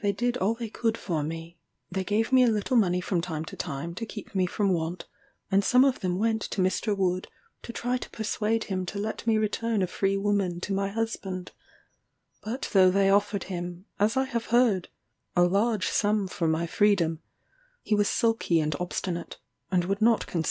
However they did all they could for me: they gave me a little money from time to time to keep me from want; and some of them went to Mr. Wood to try to persuade him to let me return a free woman to my husband; but though they offered him, as I have heard, a large sum for my freedom, he was sulky and obstinate, and would not consent to let me go free.